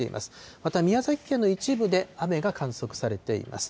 また宮崎県の一部で雨が観測されています。